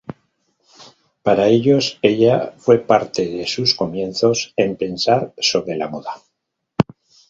Para ellos ella fue parte de sus comienzos en pensar sobre la moda.